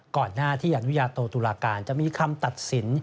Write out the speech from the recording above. ก่อนหน้าที่อนุญาโตตุลาการจะมีคำตัดสิน